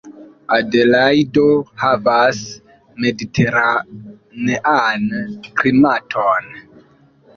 Adelajdo havas mediteranean klimaton.